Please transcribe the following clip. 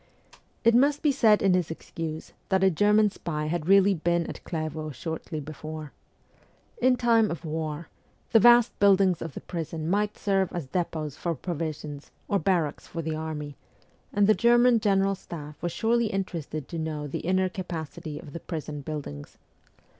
It must be said in his excuse that a German spy had really been at Clairvaux shortly before. In time of war the vast buildings of the prison might serve as depots for provisions or barracks for the army, and the German General Staff was surely interested to know the inner capacity of the prison buildings.